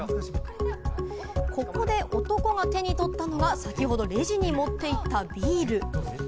ここで男が手に取ったのが、先ほどレジに持っていったビール。